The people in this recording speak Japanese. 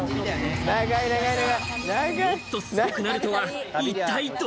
もっとすごくなるとは一体ど